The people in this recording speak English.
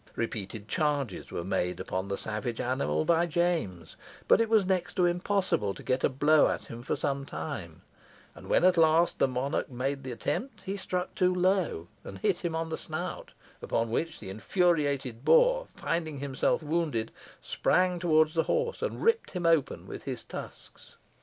Repeated charges were made upon the savage animal by James, but it was next to impossible to get a blow at him for some time; and when at length the monarch made the attempt, he struck too low, and hit him on the snout, upon which the infuriated boar, finding himself wounded, sprang towards the horse, and ripped him open with his tusks.